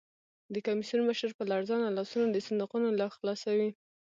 د کمېسیون مشر په لړزانه لاسونو د صندوقونو لاک خلاصوي.